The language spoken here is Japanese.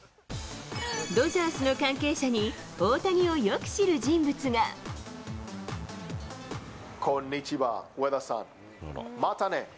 ドジャースの関係者に、こんにちは、上田さん。